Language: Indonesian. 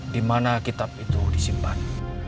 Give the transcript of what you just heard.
di mana kitab itu disimpan